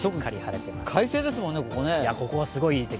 快晴ですもんね、ここね。